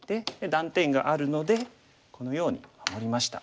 断点があるのでこのように守りました。